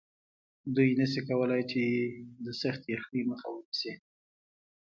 دوی نشي کولی چې د سختې یخنۍ مخه ونیسي